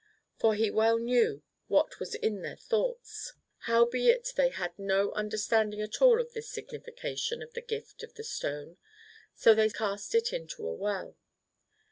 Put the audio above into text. For He well knew what was in their thoughts. Howbeit, they had no under standing at all of this signification of the gift of the stone ; so they cast it into a well.